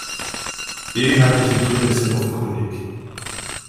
Die inhaltlichen Gründe sind offenkundig.